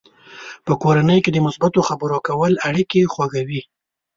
په کورنۍ کې د مثبتو خبرو کول اړیکې خوږوي.